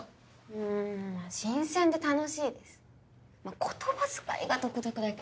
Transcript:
うんまぁ新鮮で楽しいです言葉遣いが独特だけど。